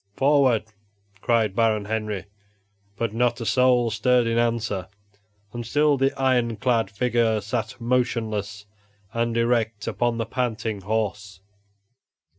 "Forward!" cried Baron Henry, but not a soul stirred in answer, and still the iron clad figure sat motionless and erect upon the panting horse.